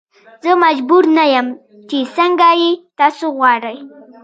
زه مجبور نه یم چې څنګه یې تاسو غواړئ.